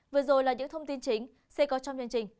vừa rồi là những thông tin chính sẽ có trong chương trình